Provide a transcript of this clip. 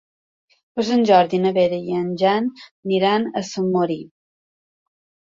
Per Sant Jordi na Vera i en Jan iran a Sant Mori.